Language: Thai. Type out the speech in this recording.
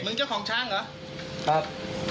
มึงเจ้าของช้างเหรอ